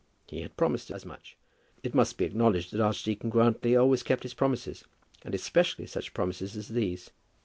He had promised as much. It must be acknowledged that Archdeacon Grantly always kept his promises, and especially such promises as these.